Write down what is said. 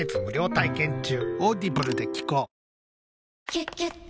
「キュキュット」